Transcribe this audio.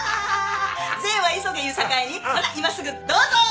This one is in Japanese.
善は急げいうさかいにほな今すぐどうぞー！